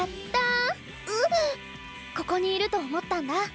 ここにいると思ったんだ。